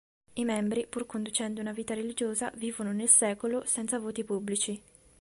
I membri, pur conducendo una vita religiosa, vivono nel secolo senza voti pubblici.